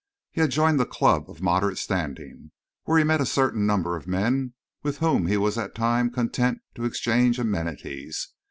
He had joined a club of moderate standing, where he met a certain number of men with whom he was at times content to exchange amenities.